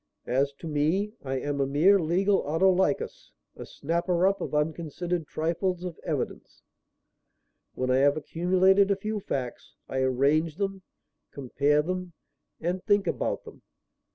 As to me, I am a mere legal Autolycus, a snapper up of unconsidered trifles of evidence. When I have accumulated a few facts, I arrange them, compare them and think about them.